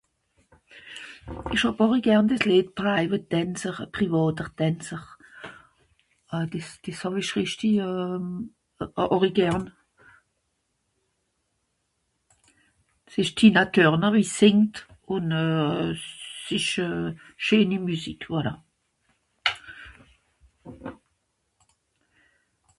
esch hàb horig gern des Lied treive tanzer privàter tanzer des des hàwie rìchtig euhh horig gern s'esch Tina Turner wie sìngt un euhh s'esch scheeni Musik voilà